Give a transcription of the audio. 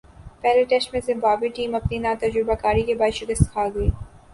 پہلے ٹیسٹ میں Zimbabwe team اپنی ناتجربہ کاری کے باعث شکست کھاگئی